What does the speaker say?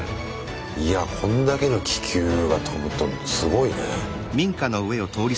いやこんだけの気球が飛ぶとすごいね。